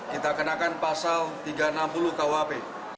kita kenakan pasal tiga ratus enam puluh kwp